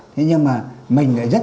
thế nhưng mà mình lại rất